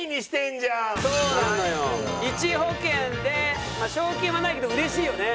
１保険でまあ賞金はないけどうれしいよね。